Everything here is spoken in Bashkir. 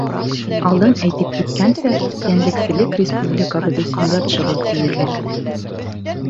Алдан әйтеп киткәнсә, йәнлекселек республикабыҙ өсөн ят шөғөл тиерлек.